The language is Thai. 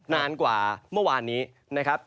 นานกว่าเมื่อวานนี้นะครับ